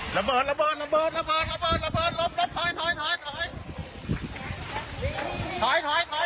หลบหลบล้มไว้ข้าย